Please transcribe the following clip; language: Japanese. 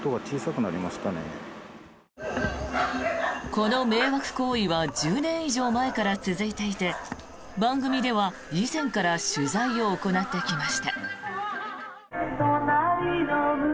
この迷惑行為は１０年以上前から続いていて番組では以前から取材を行ってきました。